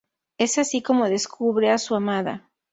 Es así como descubre a su "amada".